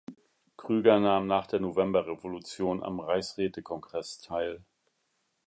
Krüger nahm nach der Novemberrevolution am Reichsrätekongress teil.